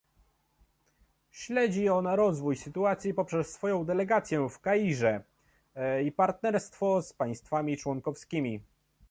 Śledzi ona rozwój sytuacji poprzez swoją delegację w Kairze i partnerstwo z państwami członkowskimi